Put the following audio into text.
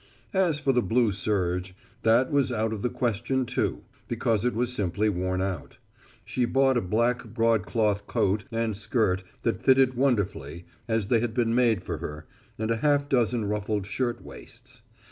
As for the blue serge, that was out of the question too, because it was simply worn out. She bought a black broadcloth coat and skirt that fitted wonderfully, as if they had been made for her, and a half dozen ruffled shirt waists.